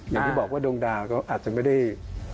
อย่างที่บอกว่าดวงดาวก็อาจจะไม่ได้